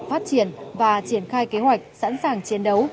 phát triển và triển khai kế hoạch sẵn sàng chiến đấu